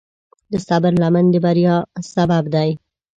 د صبر لمن د بریا سبب دی.